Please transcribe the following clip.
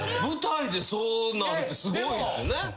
舞台でそうなるってすごいですよね。